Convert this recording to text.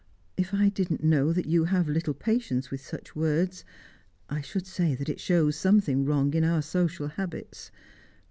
If I didn't know that you have little patience with such words, I should say that it shows something wrong in our social habits.